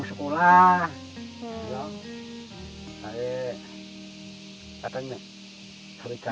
itu mulai lebih biji